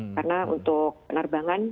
karena untuk penerbangan